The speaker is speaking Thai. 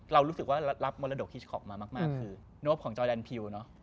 เรารู้สึกว่ารับมรดกฮิชคอปมามากคือนบของจอแดนพิวเนอะ